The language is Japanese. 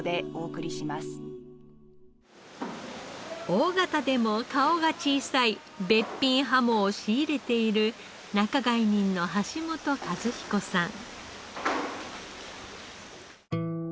大型でも顔が小さいべっぴんハモを仕入れている仲買人の橋本一彦さん。